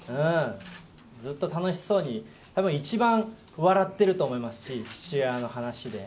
ずっと楽しそうに、たぶん一番笑ってると思いますし、父親の話で。